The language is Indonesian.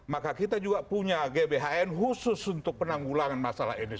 maka kita juga punya gbhn khusus untuk penanggulangan masalah ini